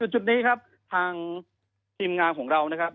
จุดนี้ครับทางทีมงานของเรานะครับ